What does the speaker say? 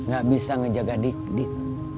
gak bisa ngejaga dik dik